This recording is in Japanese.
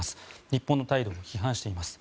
日本の態度を批判しています。